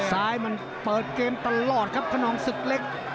ซ้ายมันเปิดเกมตลอดครับขนองศึกเล็ก